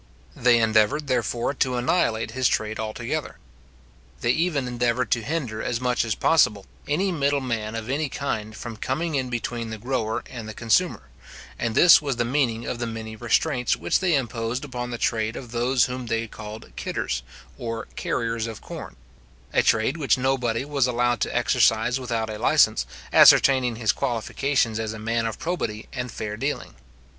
They endeavoured, therefore, to annihilate his trade altogether. They even endeavoured to hinder, as much as possible, any middle man of any kind from coming in between the grower and the consumer; and this was the meaning of the many restraints which they imposed upon the trade of those whom they called kidders, or carriers of corn; a trade which nobody was allowed to exercise without a licence, ascertaining his qualifications as a man of probity and fair dealing.